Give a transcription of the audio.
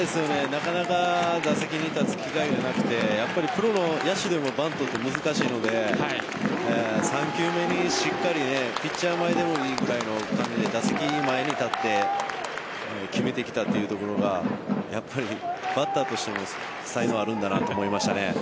なかなか打席に立つ機会がなくてやっぱりプロの野手でもバントって難しいので３球目にしっかりピッチャー前でもいいくらいの感じで打席、前に立って決めてきたというところがやっぱりバッターとしての才能もあるんだなと思いました。